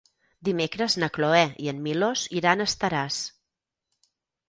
Dimecres na Cloè i en Milos iran a Estaràs.